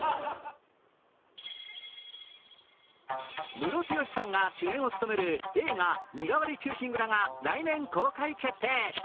ムロツヨシさんが主演を務める映画「身代わり忠臣蔵」が来年公開決定。